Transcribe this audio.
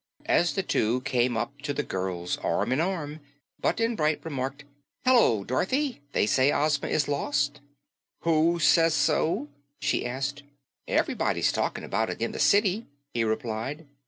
As the two came up to the girls, arm in arm, Button Bright remarked, "Hello, Dorothy. They say Ozma is lost." "WHO says so?" she asked. "Ev'rybody's talking about it in the City," he replied.